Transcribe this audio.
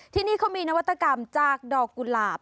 ที่นี่เขามีนวัตกรรมจากดอกกุหลาบ